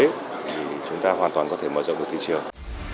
thì chúng ta hoàn toàn có thể mở rộng được thị trường